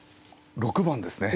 ６番ですね。